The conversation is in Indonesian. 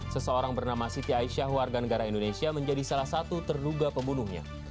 seseorang bernama siti aisyah warga negara indonesia menjadi salah satu terduga pembunuhnya